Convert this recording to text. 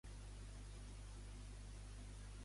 Franchitti va assumir tota la responsabilitat de l'incident.